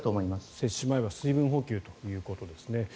接種前は水分補給ということですね。